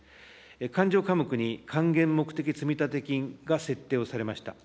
勘定科目に還元目的積立金が設定をされました。